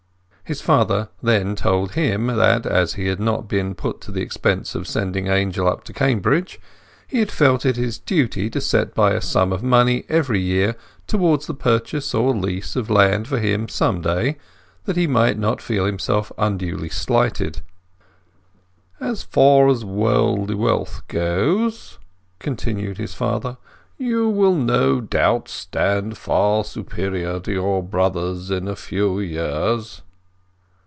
His father then told him that, as he had not been put to the expense of sending Angel up to Cambridge, he had felt it his duty to set by a sum of money every year towards the purchase or lease of land for him some day, that he might not feel himself unduly slighted. "As far as worldly wealth goes," continued his father, "you will no doubt stand far superior to your brothers in a few years."